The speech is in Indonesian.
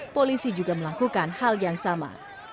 polisi juga melakukan hal yang sama